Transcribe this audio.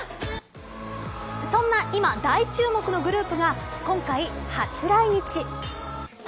そんな今大注目のグループが今回初来日。